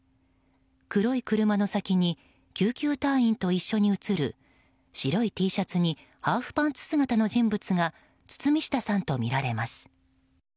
黒い車の先に救急隊員と一緒に写る白いＴシャツにハーフパンツ姿の人物が堤下さんとみられます。